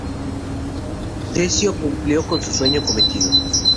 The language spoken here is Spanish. Decio cumplió con su cometido.